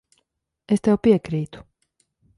Es tev piekrītu.